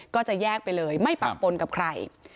ก็จะแยกไปเลยไม่ปักปนกับใคร